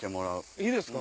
いいですか？